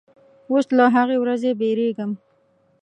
اوس له هغې ورځې بیریږم